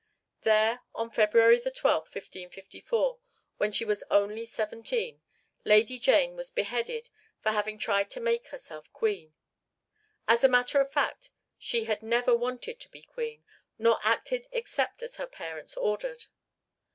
There on February 12, 1554, when she was only seventeen, Lady Jane was beheaded for having tried to make herself Queen. As a matter of fact she had never wanted to be Queen, nor acted except as her parents ordered.